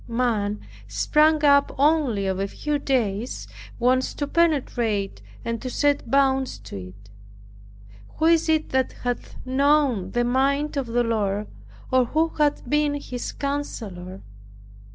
Man, sprung up only of a few days, wants to penetrate, and to set bounds to it. Who is it that hath known the mind of the Lord, or who hath been His counselor?